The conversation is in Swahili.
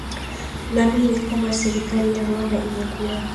naamini kwamba serikali ya rwanda imekuwa